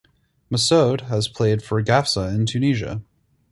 Messaoud has played for Gafsa in Tunisia.